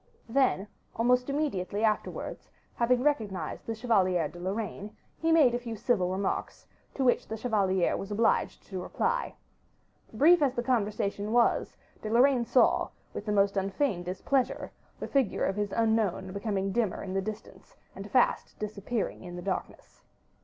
Then, almost immediately afterwards, having recognized the Chevalier de Lorraine, he made a few civil remarks, to which the chevalier was obliged to reply. Brief as the conversation was, De Lorraine saw, with the most unfeigned displeasure, the figure of his unknown becoming dimmer in the distance, and fast disappearing in the darkness.